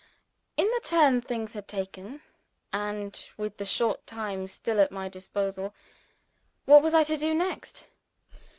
In the turn things had taken, and with the short time still at my disposal, what was I to do next?